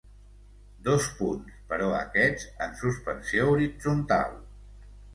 Dos punts, però aquests en suspensió horitzontal.